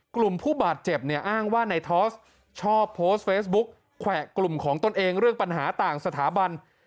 กลุ่มผู้บาดเจ็บเนี่ยอ้างว่าในทอสชอบโพสต์เฟซบุ๊กแขวะกลุ่มของตนเองเรื่องปัญหาต่างสถาบัน